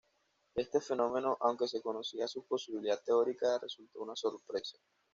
Este fenómeno, aunque se conocía su posibilidad teórica, resultó una sorpresa.